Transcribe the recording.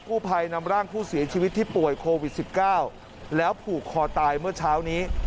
ผู้ภัยนำร่างผู้เสียชีวิตที่ป่วยโควิด๑๙แล้วผูกคอตายเมื่อเช้านี้